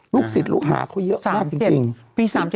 ศิษย์ลูกหาเขาเยอะมากจริงปี๓๗